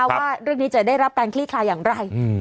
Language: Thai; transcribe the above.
ว่าเรื่องนี้จะได้รับแปลกคลีกคลายังไร